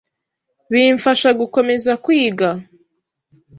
bimfasha gukomeza kwiga